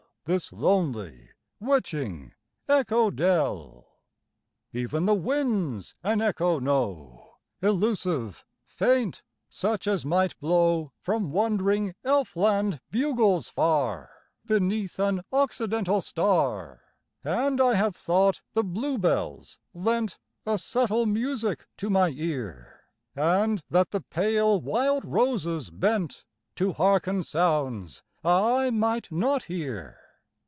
This lonely, witching Echo Dell ! Even the winds an echo know. Elusive, faint, such as might blow From wandering elf land bugles far, Beneath an occidental star; And I have thought the blue bells lent A subtle music to my ear, And that the pale wild roses bent To harken sounds I might not hear.